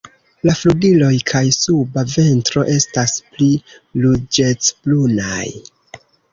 La flugiloj kaj suba ventro estas pli ruĝecbrunaj.